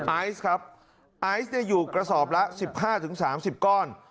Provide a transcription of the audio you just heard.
ไอซ์ครับไอซ์อยู่กระสอบละ๑๕๓๐ก้อน